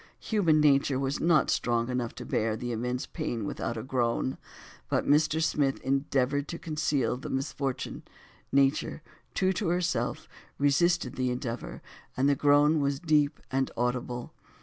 Human nature was not strong enough to bear the immense pain without a groan; but Mr. Smith endeavored to conceal the misfortune, nature, true to herself, resisted the endeavor, and the groan was deep and audible.